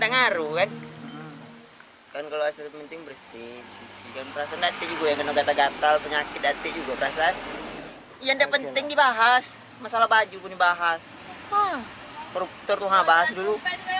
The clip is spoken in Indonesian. terutama bahas dulu